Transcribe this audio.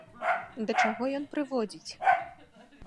Да чаго ён прыводзіць?